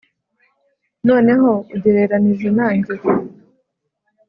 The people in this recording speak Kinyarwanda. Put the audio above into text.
noneho ugereranije nanjye